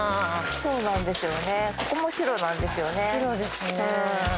そうですよね。